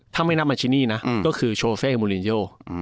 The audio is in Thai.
ถ้าไม่นับมาชินีนะก็คือโชเฟ่มูลินโย